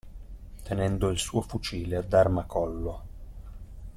Tenendo il suo fucile ad armacollo.